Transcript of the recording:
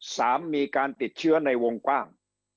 สามมีการติดเชื้อในวงกว้าง